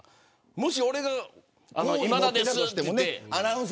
もし俺が今田ですって。